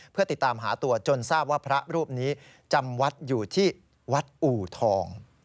เพื่อติดตามหาตัวจนทราบว่าพระรูปนี้จำวัดอยู่ที่วัดอูทอง